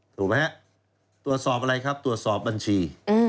ถูกไหมฮะตรวจสอบอะไรครับตรวจสอบบัญชี